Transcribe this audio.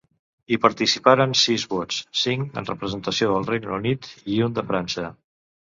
Hi participaren sis bots, cinc en representació del Regne Unit i un de França.